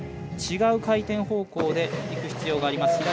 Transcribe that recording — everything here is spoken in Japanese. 違う回転方向でいく必要があります。